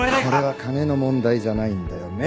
これは金の問題じゃないんだよ。